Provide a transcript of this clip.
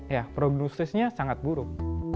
ya prognosisnya sangat buruk